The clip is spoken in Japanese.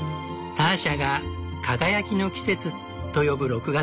ターシャが「輝きの季節」と呼ぶ６月。